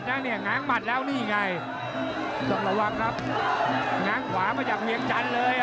แต่ยังหาเหลี่ยงอยู่นะตรงนี้พลังชน